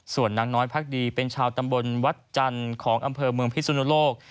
ส่วนนางน้อยพักดีเป็นชาวตำบลวัดจันทร์ของอำเภอเมืองพิสุนโลก